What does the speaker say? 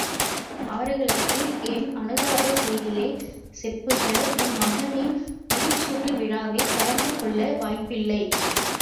அவர்களுக்கு என் அனுதாபச் செய்தியைச் செப்புக. உம் மகனின் முடிசூட்டு விழாவில் கலந்து கொள்ள வாய்ப்பில்லை.